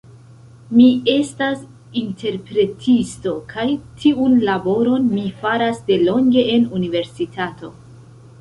Mi estas interpretisto kaj tiun laboron mi faras delonge en universitato.